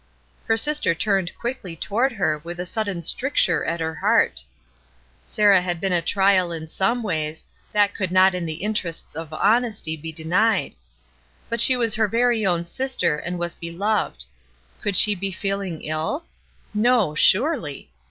Her sister turned quickly toward her with a sudden stricture at her heart. Sarah had been a trial in some ways, — that could not in the interests of honesty be denied, — but she was her very own sister, and was beloved. Could she be feeling ill? No, surely!